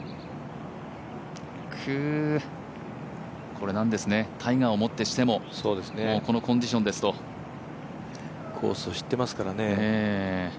これなんですねタイガーをもってしてもこのコンディションですとコースを知っていますからね。